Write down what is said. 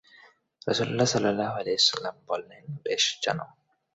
রাসূলুল্লাহ সাল্লাল্লাহু আলাইহি ওয়াসাল্লাম বললেন, বেশ, জানাও।